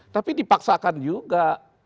tapi dipaksakan juga